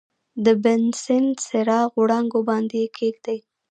د بنسن چراغ وړانګو باندې یې کیږدئ.